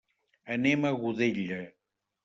Anem a Godella.